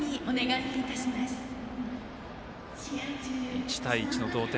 １対１の同点。